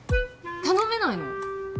頼めないの？